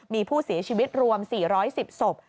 มีผู้เสียชีวิตรวม๔๑๐ศพ